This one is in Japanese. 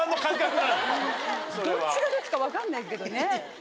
どっちがどっちか分かんないんですけどね。